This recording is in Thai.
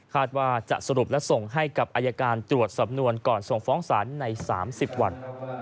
ว่าจะสรุปและส่งให้กับอายการตรวจสำนวนก่อนส่งฟ้องศาลใน๓๐วัน